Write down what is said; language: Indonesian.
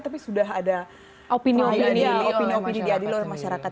tapi sudah ada opini opini diadil oleh masyarakat